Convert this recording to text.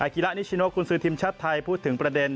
ฮิระนิชิโนกุญสือทีมชาติไทยพูดถึงประเด็น